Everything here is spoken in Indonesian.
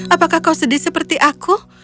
apakah kau sedih seperti aku